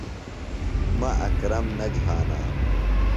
مہ اکرم نہ جھانانوۡ۔